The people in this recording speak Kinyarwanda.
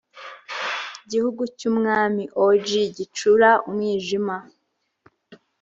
gihugu cy’umwami ogi gicura umwijima